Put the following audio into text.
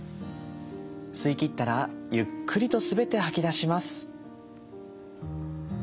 吸いきったらゆっくりと全て吐き出します。